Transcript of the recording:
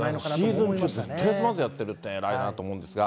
シーズン中、ずっとやってるって、偉いなと思うんですが。